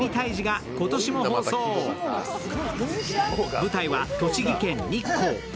舞台は栃木県・日光。